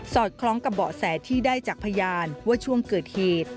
คล้องกับเบาะแสที่ได้จากพยานว่าช่วงเกิดเหตุ